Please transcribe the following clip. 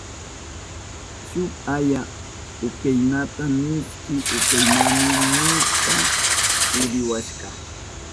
Shuk aya upyanata mishki upyanami nishpa hudiwashka.